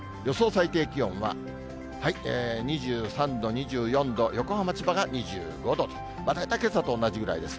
最低気温は、２３度、２４度、横浜、千葉が２５度と、大体けさと同じぐらいです。